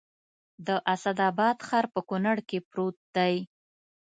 د اسداباد ښار په کونړ کې پروت دی